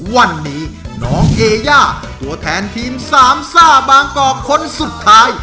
วันนี้น้องเอย่าตัวแทนทีมสามซ่าบางกอกคนสุดท้าย